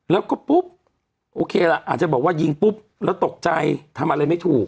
แล้วก็ปุ๊บโอเคล่ะอาจจะบอกว่ายิงปุ๊บแล้วตกใจทำอะไรไม่ถูก